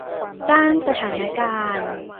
สร้างสถานการณ์